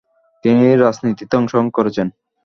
তিনি রাজনীতিতে অংশগ্রহণ করেছেন।